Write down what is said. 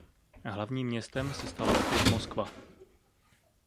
Hlavním městem se stala opět Moskva.